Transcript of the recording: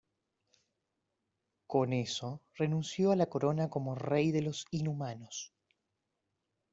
Con eso, renunció a la corona como rey de los Inhumanos.